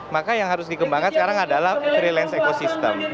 maka yang harus dikembangkan sekarang adalah freelance ekosistem